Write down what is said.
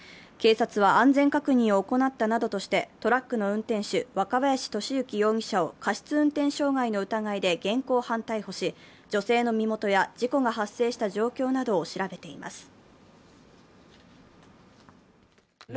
警察は安全確認を怠ったなどとしてトラックの運転手・若林利行容疑者を過失運転傷害の疑いで現行犯逮捕し、女性の身元や事故が発生した状況などを調べています。